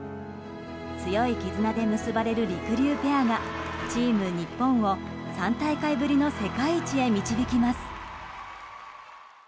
強い絆で結ばれるりくりゅうペアがチーム日本を３大会ぶりの世界一へ導きます。